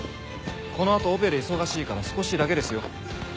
このあとオペで忙しいから少しだけですよ。